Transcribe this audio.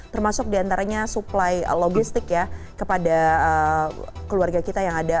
termasuk diantaranya suplai logistik ya kepada keluarga kita yang ada